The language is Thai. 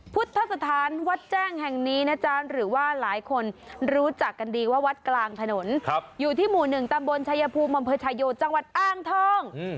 พุทธสถานวัดแจ้งแห่งนี้นะจ๊ะหรือว่าหลายคนรู้จักกันดีว่าวัดกลางถนนอยู่ที่หมู่๑ตำบลชายภูมิอำเภอชายโยจังหวัดอ้างทอง